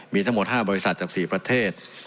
มีทั้งหมด๕บริษัทจาก๔ประเทศ